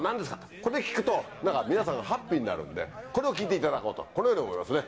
これで聞くと、なんか皆さんがハッピーになるんで、これを聞いていただこうと、このように思いますね。